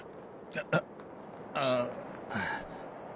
あああぁ。